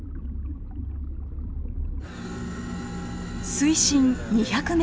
水深２００ｍ。